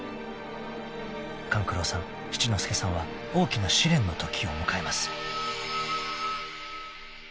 ［勘九郎さん七之助さんは大きな試練の時を迎えます］